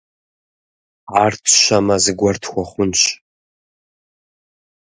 Ар тщэмэ, зыгуэр тхуэхъунщ.